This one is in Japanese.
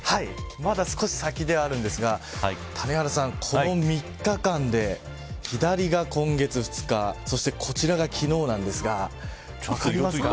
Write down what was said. まだ少し先ではあるんですが谷原さん、この３日間で左が今月２日そしてこちらが昨日なんですが分かりますか。